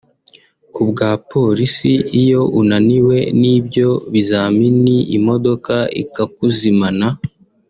Ku bwa polisi iyo unaniwe n’ibyo bizamini imodoka ikakuzimana